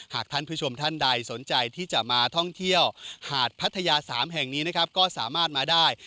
หากท่านผู้ชมท่านใดสนใจที่จะมาท่องเที่ยวหาดพัทยา๓แห่งนี้นะครับก็สามารถมาได้